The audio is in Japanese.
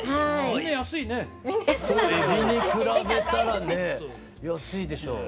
海老に比べたらね安いでしょう。